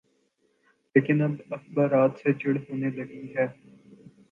لیکن اب اخبارات سے چڑ ہونے لگی ہے۔